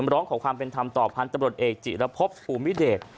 ร้องขอความเป็นธรรมต่อพันธบรวจเอกจิระพบภูมิเดช